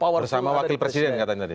mau bersama wakil presiden katanya tadi